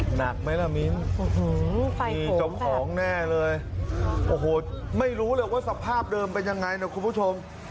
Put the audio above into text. หนักไหมล่ะมิ้นมีเจ้าของแน่เลยโอ้โหไม่รู้เลยว่าสภาพเดิมเป็นยังไงนะคุณผู้ชม